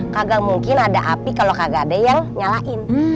kagak mungkin ada api kalau kagak ada yang nyalain